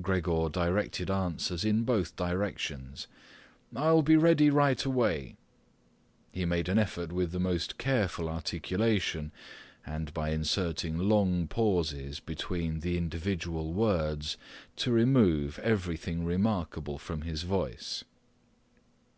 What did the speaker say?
Gregor directed answers in both directions, "I'll be ready right away." He made an effort with the most careful articulation and by inserting long pauses between the individual words to remove everything remarkable from his voice.